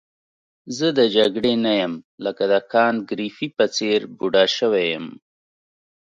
زه د جګړې نه یم لکه د کانت ګریفي په څېر بوډا شوی یم.